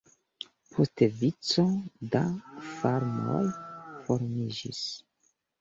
Poste vico da farmoj formiĝis.